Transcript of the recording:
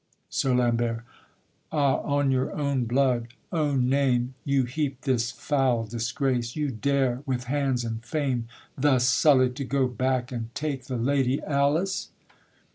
SIR LAMBERT. Ah! on your own blood, Own name, you heap this foul disgrace? you dare, With hands and fame thus sullied, to go back And take the lady Alice?